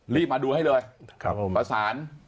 รีบมาดูให้เลยประสาน